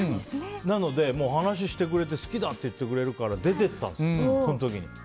なので、話をしてくれて好きだって言ってくれるから出てったんですよ。